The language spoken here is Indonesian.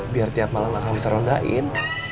biar tiap malam bisa kamu rondain